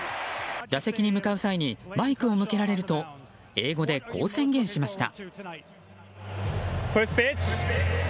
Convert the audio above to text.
打席に向かう際にマイクを向けられると英語で、こう宣言しました。